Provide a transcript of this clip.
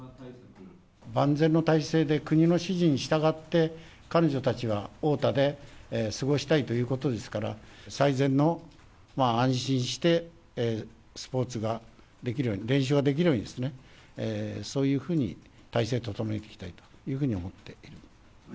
万全の体制で国の指示に従って、彼女たちは太田で過ごしたいということですから、最善の、安心してスポーツができるように、練習ができるように、そういうふうに体制を整えていきたいというふうに思って。